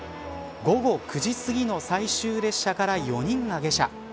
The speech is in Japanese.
午後９時すぎの最終列車から４人が下車。